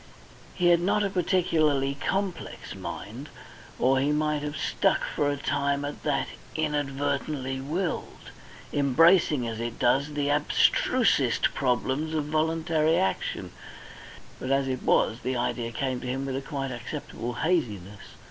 He had not a particularly complex mind, or he might have stuck for a time at that "inadvertently willed," embracing, as it does, the abstrusest problems of voluntary action; but as it was, the idea came to him with a quite acceptable haziness.